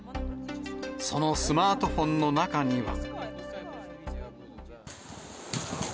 そのスマートフォンの中には。